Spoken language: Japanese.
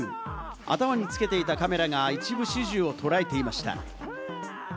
頭につけていたカメラが一部始終を捉えていました。